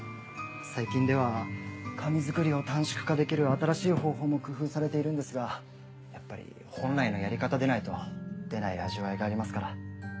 最近では紙作りを短縮化できる新しい方法も工夫されているんですがやっぱり本来のやり方でないと出ない味わいがありますから。